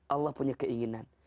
allah punya keinginan